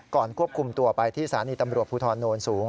ก่อนควบคุมตัวไปที่ศาลิตำรวจภูทรโน้นสูง